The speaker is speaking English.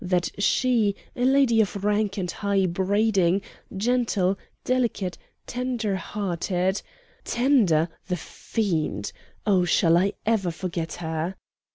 That she, a lady of rank and high breeding, gentle, delicate, tender hearted. Tender? the fiend! Oh, shall I ever forget her?